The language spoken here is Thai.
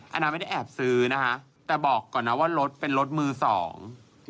อันนั้นไม่ได้แอบซื้อนะคะแต่บอกก่อนนะว่ารถเป็นรถมือสอง